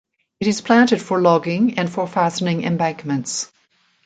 It is planted for logging and for fastening embankments.